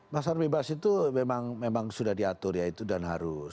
pasar bebas itu memang sudah diatur ya itu dan harus